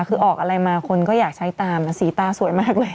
คือออกอะไรมาคนก็อยากใช้ตามสีตาสวยมากเลย